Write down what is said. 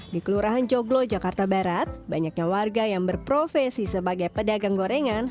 di kelurahan joglo jakarta barat banyaknya warga yang berprofesi sebagai pedagang gorengan